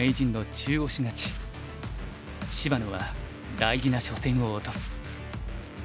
芝野は大事な初戦を落とす。